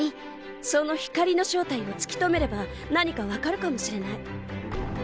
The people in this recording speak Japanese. その光の正体を突き止めれば何か分かるかもしれない。